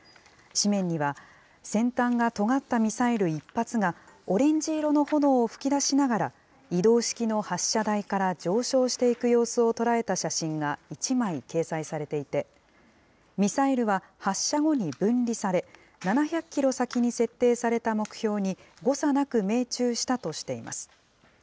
紙面には、先端がとがったミサイル１発が、オレンジ色の炎を噴き出しながら、移動式の発射台から上昇していく様子を捉えた写真が１枚掲載されていて、ミサイルは発射後に分離され、７００キロ先に設定された目標に誤差なく命中したとしています。